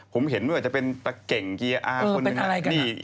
ผมเห็นตะเก่งเกียร์อ้าคนนึงนี่เอง